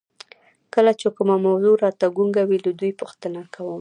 کله چې کومه موضوع راته ګونګه وي له دوی پوښتنه کوم.